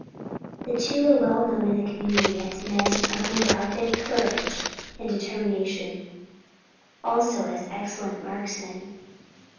The two were well known in the community as men of undoubted courage and determination; also as excellent marksmen.